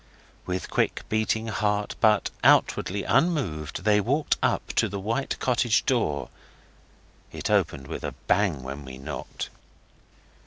With quickly beating heart, but outwardly unmoved, they walked up to the white cottage door. It opened with a bang when we knocked.